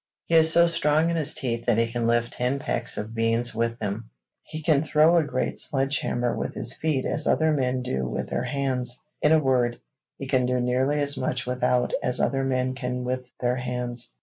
He is so strong in his teeth that he can lift ten pecks of beans with them; he can throw a great sledge hammer with his feet as other men can with their hands. In a word, he can do nearly as much without, as other men can with, their hands.'